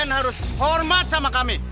kita udah ngelewatin tempat kami